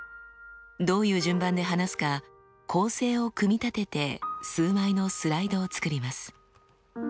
どういう順番で話すか構成を組み立てて数枚のスライドを作ります。